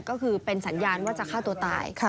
ก็คือเป็นสัญญาณว่าจะฆ่าตัวตาย